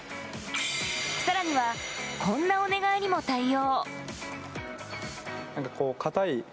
さらにはこんなお願いにも対応。